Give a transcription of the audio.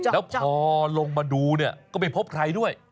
แล้วพอลงมาดูเนี่ยก็ไม่พบใครด้วย